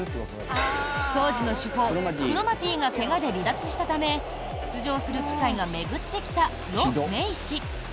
当時の主砲・クロマティが怪我で離脱したため出場する機会が巡ってきた呂明賜。